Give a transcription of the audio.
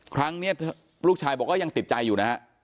ครั้งนี้ลูกชายบอกว่ายังติดใจอยู่นะฮะ